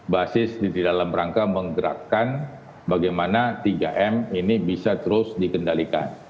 basis di dalam rangka menggerakkan bagaimana tiga m ini bisa terus dikendalikan